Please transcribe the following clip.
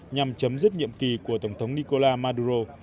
nhằm chấm dứt nhiệm kỳ của tổng thống nicola maduro